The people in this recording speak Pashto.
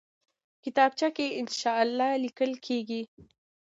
کتابچه کې انشاء لیکل کېږي